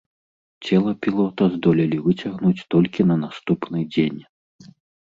Цела пілота здолелі выцягнуць толькі на наступны дзень.